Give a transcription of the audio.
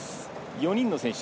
４人の選手。